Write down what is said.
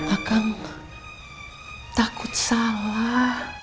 akang takut salah